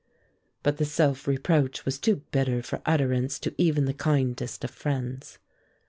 But the self reproach was too bitter for utterance to even the kindest of friends.